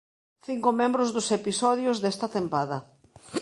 Cinco membros dos episodios desta tempada.